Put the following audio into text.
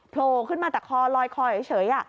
โผล่ขึ้นมาแต่คอลอยคอเฉย